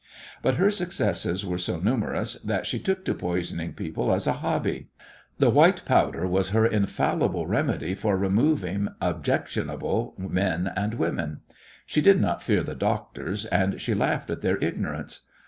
But her successes were so numerous, that she took to poisoning people as a hobby. The "white powder" was her infallible remedy for removing objectionable men and women. She did not fear the doctors, and she laughed at their ignorance.